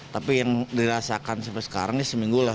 tapi yang dirasakan sampai sekarang ya seminggu lah